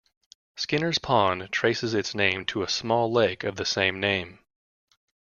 Skinners Pond traces its name to a small lake of the same name.